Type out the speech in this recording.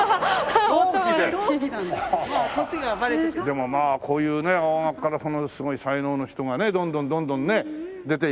でもまあこういうね青学からすごい才能の人がねどんどんどんどんね出ていきますけどもね。